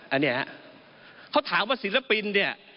อันนี้ฮะเขาถามว่าศิลปินเนี่ย